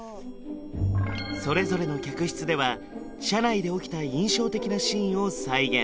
それぞれの客室では車内で起きた印象的なシーンを再現